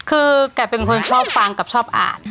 คือแกเป็นคนชอบฟังกับชอบอ่าน